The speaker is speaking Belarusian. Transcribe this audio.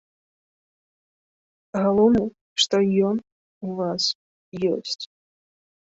Галоўнае, што ён у вас ёсць.